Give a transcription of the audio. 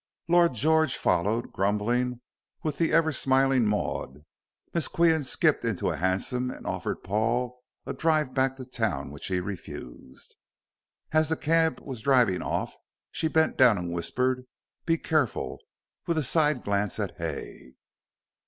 Lord George followed, grumbling, with the ever smiling Maud. Miss Qian skipped into a hansom, and offered Paul a drive back to town which he refused. As the cab was driving off she bent down and whispered, "Be careful," with a side glance at Hay.